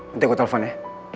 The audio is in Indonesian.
nanti aku telfon ya